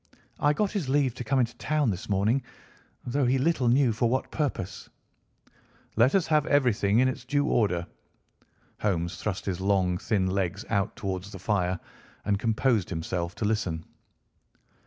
I got his leave to come into town this morning, though he little knew for what purpose." "Let us have everything in its due order." Holmes thrust his long thin legs out towards the fire and composed himself to listen.